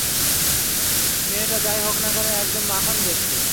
মেয়েটা যেই হোক না কেন, একদম মাখন দেখতে।